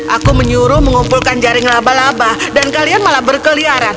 aku menyuruh mengumpulkan jaring laba laba dan kalian malah berkeliaran